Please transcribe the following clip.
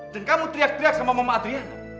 dan kamu teriak teriak sama mama adriana